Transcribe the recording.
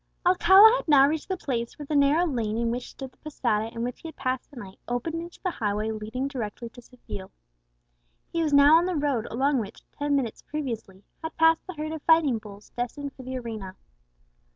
Alcala had now reached the place where the narrow lane in which stood the posada in which he had passed the night opened into the highway leading directly to Seville. He was now on the road along which, ten minutes previously, had passed the herd of fighting bulls destined for the arena.